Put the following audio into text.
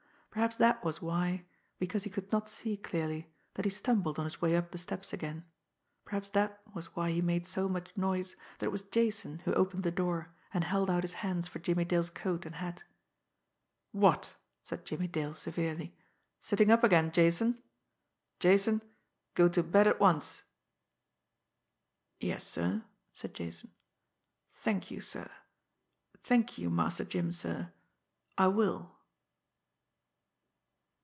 Perhaps that was why, because he could not see clearly, that he stumbled on his way up the steps again; perhaps that was why he made so much noise that it was Jason who opened the door and held out his hands for Jimmie Dale's coat and hat. "What!" said Jimmie Dale severely. "Sitting up again, Jason? Jason, go to bed at once!" "Yes, sir," said Jason. "Thank you, sir. Thank you, Master Jim, sir I will."